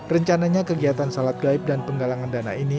rencananya kegiatan salat gaib dan penggalangan dana ini